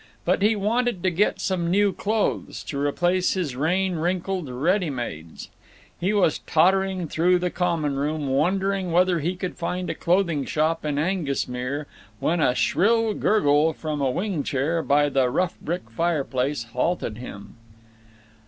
But he wanted to get some new clothes, to replace his rain wrinkled ready mades. He was tottering through the common room, wondering whether he could find a clothing shop in Aengusmere, when a shrill gurgle from a wing chair by the rough brick fireplace halted him.